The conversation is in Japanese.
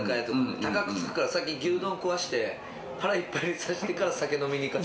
高くつくから先に牛丼を食わせて腹いっぱいにさせてから居酒屋に行かせて。